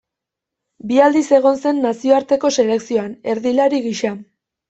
Bi aldiz egon zen nazioarteko selekzioan, erdilari gisa.